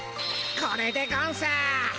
これでゴンス。